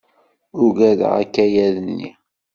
Uggadeɣ akayad-nni.